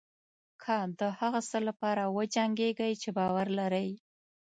که د هغه څه لپاره وجنګېږئ چې باور لرئ.